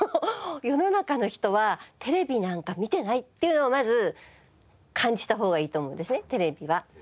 世の中の人はテレビなんか見てないっていうのをまず感じた方がいいと思うんですねテレビは。